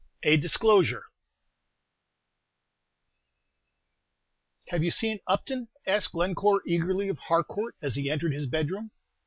A DISCLOSURE "Have you seen Upton?" asked Glencore eagerly of Harcourt as he entered his bedroom.